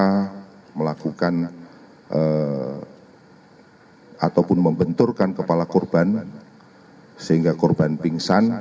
tersangka melakukan ataupun membenturkan kepala kurban sehingga kurban pingsan